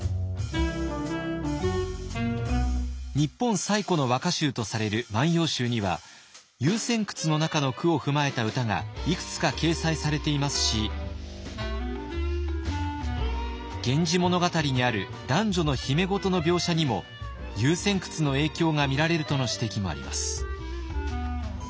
日本最古の和歌集とされる「万葉集」には「遊仙窟」の中の句を踏まえた歌がいくつか掲載されていますし「源氏物語」にある男女の秘め事の描写にも「遊仙窟」の影響が見られるとの指摘もあります。